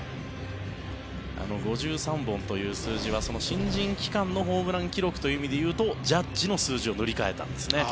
５３本という数字は新人期間のホームラン記録という意味で言うとジャッジの数字を塗り替えたんですね。